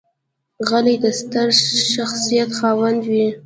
غلی، د ستر شخصیت خاوند وي.